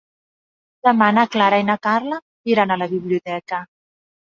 Demà na Clara i na Carla iran a la biblioteca.